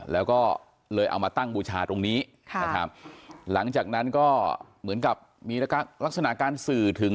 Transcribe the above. แล้วก็เลยเอามาตั้งบูชาตรงนี้นะครับหลังจากนั้นก็เหมือนกับมีลักษณะการสื่อถึง